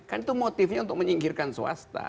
kan itu motifnya untuk menyingkirkan swasta